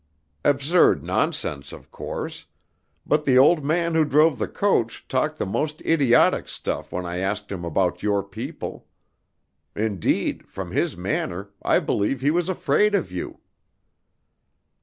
"Absurd nonsense, of course; but the old man who drove the coach talked the most idiotic stuff when I asked him about your people. Indeed, from his manner, I believe he was afraid of you."